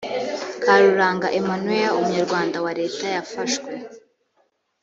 karuranga emmanuel umunyarwanda wa leta yafashwe